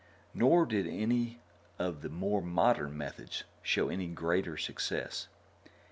Nor did any of the more modern methods show any greater success.